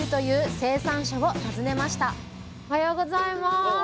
どうもおはようございます。